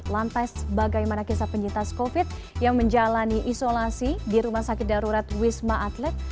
lantas bagaimana kisah penyintas covid yang menjalani isolasi di rumah sakit darurat wisma atlet